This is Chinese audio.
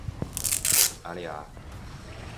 阿利阿。